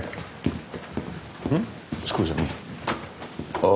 ああ。